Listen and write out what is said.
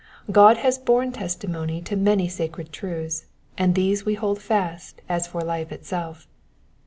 God has orne testimony to many sacred truths, and these we hold fast as for life itself.